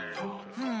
うん。